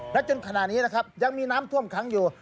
และจนขณะนี้นะครับยังมีน้ำท่วมขังอยู่